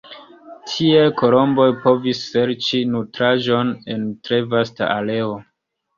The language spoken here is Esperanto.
Tiel kolomboj povis serĉi nutraĵon en tre vasta areo.